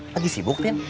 lagi sibuk tin